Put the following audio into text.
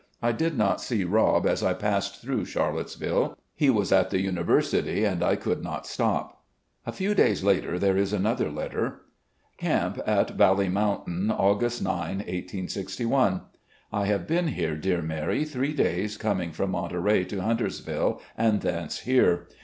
I did not see Rob as I passed through Charlottesville. He was at the University and I could not stop." A few days later there is another letter: "Camp at Valley Mountain, August 9, 1861. " I have been here, dear Mary, three days, coming from Monterey to Huntersville and thence here.